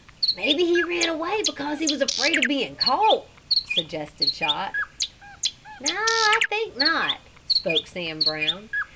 "Maybe he ran away because he was afraid of being caught," suggested Chot. "No, I think not," spoke Sam Brown.